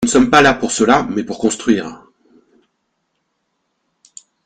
Nous ne sommes pas là pour cela, mais pour construire.